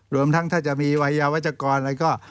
รวมทั้งถ้าจะมีวัยยาวัชกรอะไรก็